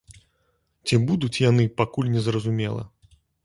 Ці будуць яны, пакуль незразумела.